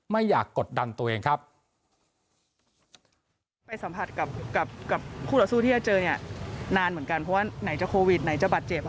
ไม่อยากกดดันตัวเองครับ